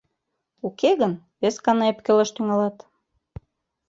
Уке гын, вес гана ӧпкелаш тӱҥалат.